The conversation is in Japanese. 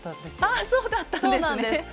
あそうだったんですね。